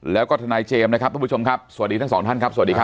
แล้วก็ทนายเจมส์นะครับทุกผู้ชมครับสวัสดีทั้งสองท่านครับสวัสดีครับ